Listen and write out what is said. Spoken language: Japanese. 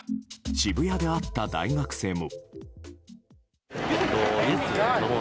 渋谷で会った大学生も。